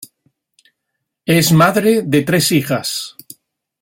Es madre de tres hijas.